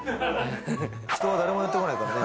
人が誰も寄ってこないからね。